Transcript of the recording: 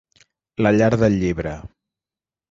La Llar del Llibre.